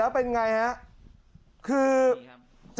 อาทิตย์๑๓อาทิตย์